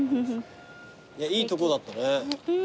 いやいいとこだったね。